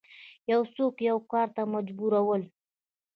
یو څوک یو کار ته مجبورول